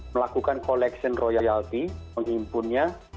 melakukan koleksi royalti mengimpunnya